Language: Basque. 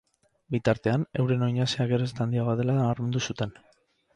Bitartean, euren oinazea geroz eta handiagoa dela nabarmendu zuten.